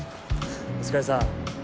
お疲れさん。